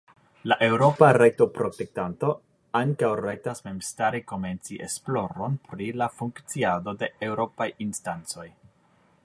La Eŭropa Rajtoprotektanto ankaŭ rajtas memstare komenci esploron pri la funkciado de Eŭropaj instancoj.